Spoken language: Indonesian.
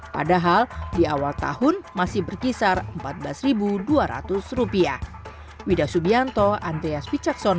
padahal di awal tahun masih berkisar rp empat belas dua ratus